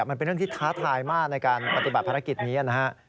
มันเป็นเรื่องที่ท้าทายมากในการปฏิบัติภารกิจนี้นะฮะ